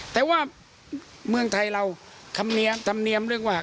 แต่ว่าเมืองไทยเราธรรมเนียมเรียกว่า